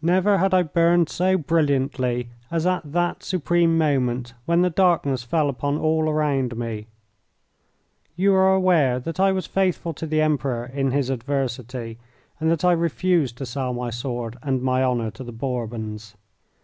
Never had I burned so brilliantly as at that supreme moment when the darkness fell upon all around me. You are aware that I was faithful to the Emperor in his adversity, and that I refused to sell my sword and my honour to the Bourbons.